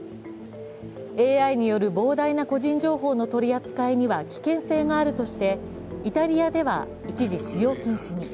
ＡＩによる膨大な個人情報の取り扱いには危険性があるとしてイタリアでは一時、使用禁止に。